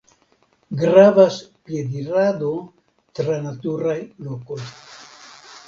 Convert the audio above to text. Gravas piedirado tra naturaj lokoj.